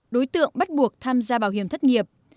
đối tượng bắt buộc tham gia bảo hiểm thất nghiệp